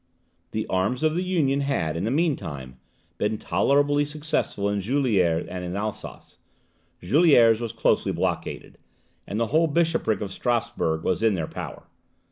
The arms of the Union had, in the meantime, been tolerably successful in Juliers and in Alsace; Juliers was closely blockaded, and the whole bishopric of Strasburg was in their power.